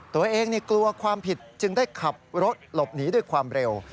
ตัวเองกลัวความผิดจึงได้ขับรถหลบหนีด้วยความเร็ว